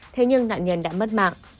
thế nhưng nạn nhân đã mất mạng